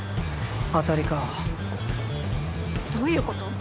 当たりかどういうこと？